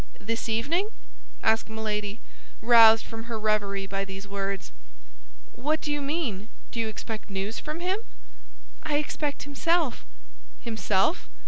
"This evening?" asked Milady, roused from her reverie by these words. "What do you mean? Do you expect news from him?" "I expect himself." "Himself?